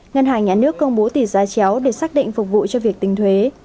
ngân hàng nhà nước công bố tỷ giá chéo để xác định phục vụ cho việc tính thuế